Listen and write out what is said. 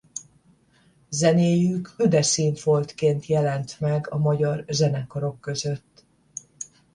Zenéjük üde színfoltként jelent meg a magyar zenekarok között.